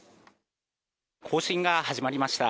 行進が始まりました。